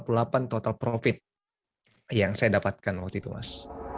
di bulan mei itu dua ratus empat puluh delapan total profit yang saya dapatkan waktu itu mas